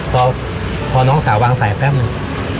พอน้องสาววางสายแป๊บหนึ่ง